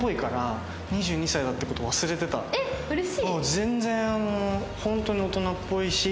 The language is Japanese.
全然ホントに大人っぽいし。